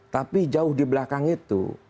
tapi jauh di belakang itu